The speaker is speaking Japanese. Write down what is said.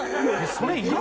それ。